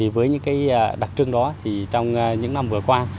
với những đặc trưng đó trong những năm vừa qua